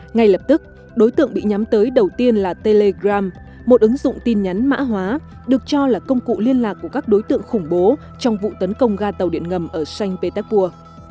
ngay lập tức đối tượng bị nhắm tới đầu tiên là telegram một ứng dụng tin nhắn mã hóa được cho là công cụ liên lạc của các đối tượng khủng bố trong vụ tấn công ga tàu điện ngầm ở sanh petersburg